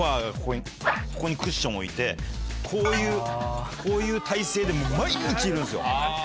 ここにクッション置いてこういう体勢で毎日いるんですよ。